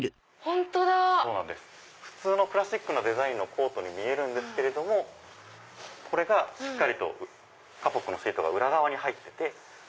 普通のクラシックなデザインのコートに見えるんですけれどもこれがしっかりとカポックのシートが裏側に入ってて。